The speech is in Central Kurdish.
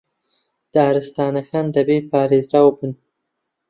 دارستانەکان دەبێ پارێزراو بن